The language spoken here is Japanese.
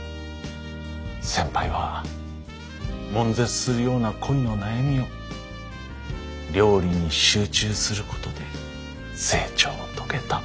先輩はもん絶するような恋の悩みを料理に集中することで成長を遂げた。